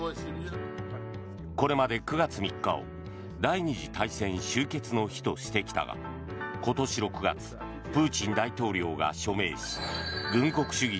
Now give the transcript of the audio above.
これまで９月３日を第２次大戦終結の日としてきたが今年６月プーチン大統領が署名し軍国主義